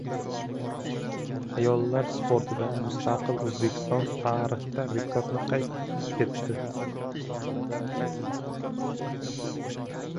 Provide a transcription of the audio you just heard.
Ayollar sportida mustaqil O‘zbekiston tarixida rekord qayd etildi